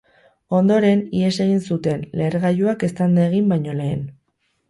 Ondoren, ihes egin zuten, lehergailuak eztanda egin baino lehen.